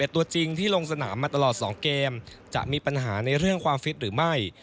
ตัวจริงที่ลงสนามมาตลอด๒เกมจะมีปัญหาในเรื่องความฟิตหรือไม่